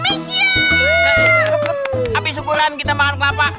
habis syukuran kita makan kelapa